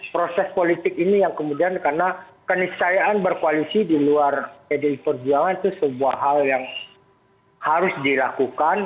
proses politik ini yang kemudian karena keniscayaan berkoalisi di luar pdi perjuangan itu sebuah hal yang harus dilakukan